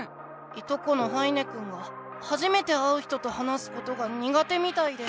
いとこの羽稲くんがはじめて会う人と話すことが苦手みたいで。